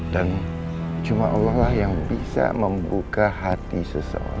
dan cuma allah lah yang bisa membuka hati seseorang